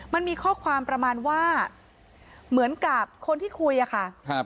มันมีข้อความประมาณว่าเหมือนกับคนที่คุยอะค่ะ